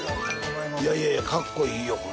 いやいやかっこいいよ。